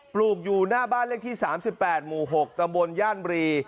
ลูกอยู่หน้าบ้านเลขที่๓๘หมู่๖ตำบลย่านบรี